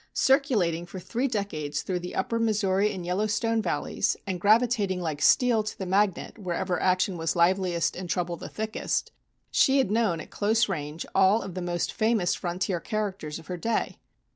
Circulating for three decades through the upper Missouri and Yellowstone valleys and gravitating like steel to the magnet wherever action was liveliest and trouble the thickest, she had known at close range all of the most famous frontier characters of her day.